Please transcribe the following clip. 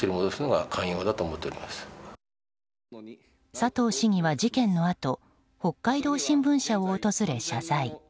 佐藤市議は事件のあと北海道新聞社を訪れ謝罪。